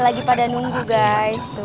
lagi pada nunggu guys